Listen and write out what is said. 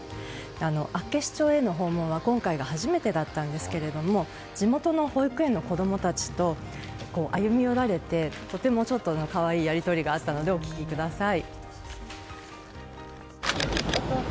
厚岸町への訪問は、今回が初めてだったんですけれども地元の保育園の子供たちに歩み寄られてとても可愛いやり取りがあったので、お聞きください。